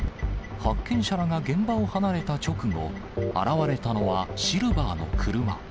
発見者らが現場を離れた直後、現れたのはシルバーの車。